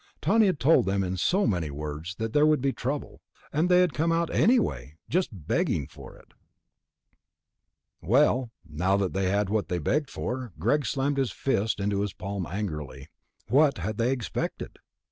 Tawney had told them in so many words that there would be trouble, and they had come out anyway, just begging for it. Well, now they had what they'd begged for. Greg slammed his fist into his palm angrily. What had they expected?